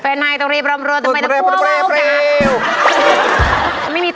เกิดเสียแฟนไปช่วยไม่ได้นะ